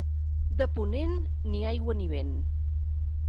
De ponent, ni aigua ni vent.